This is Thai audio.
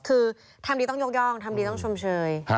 คือทำดีต้องยกย่องทำดีต้องชมเชย